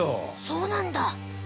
そうなんだ。